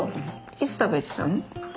いつ食べてたの？